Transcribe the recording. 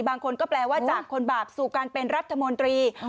บางคนก็แปลว่าจากคนบาปสู่การเป็นรัฐมนตรี